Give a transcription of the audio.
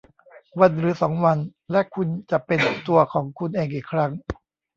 วันหรือสองวันและคุณจะเป็นตัวของคุณเองอีกครั้ง